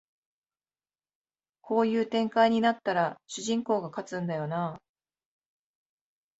こういう展開になったら主人公が勝つんだよなあ